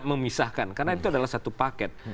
memisahkan karena itu adalah satu paket